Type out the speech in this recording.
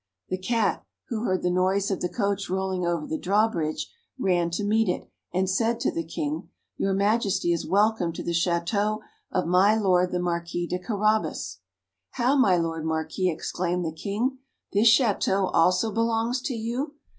The Cat, who heard the noise of the coach rolling over the drawbridge, ran to meet it, and said to the King, "Your Majesty is welcome to the Château of my Lord the Marquis de Carabas." "How, my Lord Marquis," exclaimed the King, "this Château also belongs to you?